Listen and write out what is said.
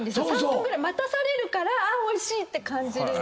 ３分ぐらい待たされるからあおいしい！って感じる。